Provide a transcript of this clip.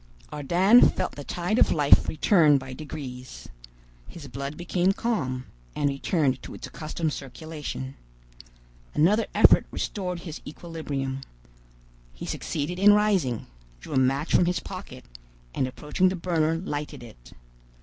Ardan felt the tide of life return by degrees. His blood became calm, and returned to its accustomed circulation. Another effort restored his equilibrium. He succeeded in rising, drew a match from his pocket, and approaching the burner lighted it.